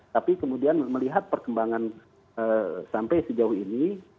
tapi kemudian melihat perkembangan sampai sejauh ini